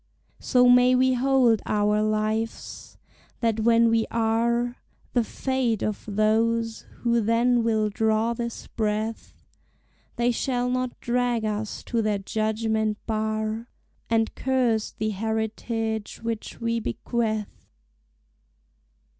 So may we hold our lives, that when we are The fate of those who then will draw this breath, They shall not drag us to their judgment bar, And curse the heritage which we bequeath.